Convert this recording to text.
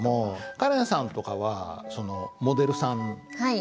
カレンさんとかはモデルさんですよね。